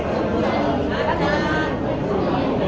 ขอบคุณหนึ่งนะคะขอบคุณหนึ่งนะคะ